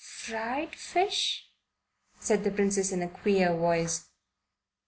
"Fried fish?" said the Princess in a queer voice.